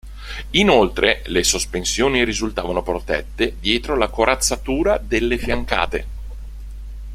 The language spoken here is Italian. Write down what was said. Inoltre le sospensioni risultavano protette dietro la corazzatura delle fiancate.